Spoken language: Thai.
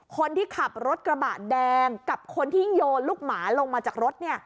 คนที่ขับรถกระบะแดงกับคนที่โยนลูกหมาลงมาจากรถ